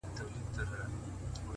ځوان د سگريټو تسه کړې قطۍ وغورځول”